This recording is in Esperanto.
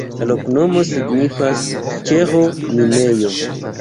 La loknomo signifas ĉeĥo-minejo.